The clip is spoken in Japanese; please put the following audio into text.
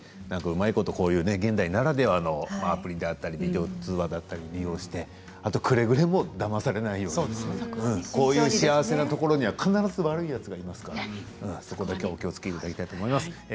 なんかうまいこと現代ならではのアプリだったりビデオ通話だったりを利用してあと、くれぐれもだまされないようにこういう幸せなところには必ず悪いやつがいますからそこだけはお気をつけいただきたいと思います。